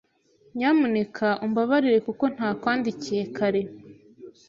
Nyamuneka umbabarire kuko ntakwandikiye kare.